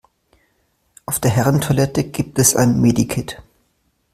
Auf der Herren-Toilette gibt es ein Medi-Kit.